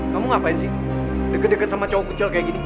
kamu ngapain sih deket deket sama cowok pecel kayak gini